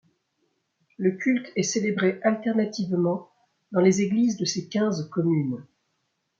Le culte est célébré alternativement dans les églises de ces quinze communes.